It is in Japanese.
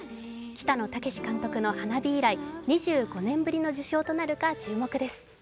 北野武監督の「ＨＡＮＡ−ＢＩ」以来２５年ぶりの受賞なるか注目です。